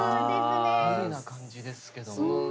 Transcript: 無理な感じですけども。